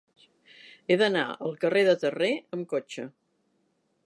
He d'anar al carrer de Terré amb cotxe.